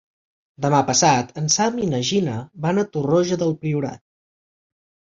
Demà passat en Sam i na Gina van a Torroja del Priorat.